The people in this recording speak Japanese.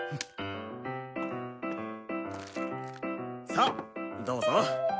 さあどうぞ。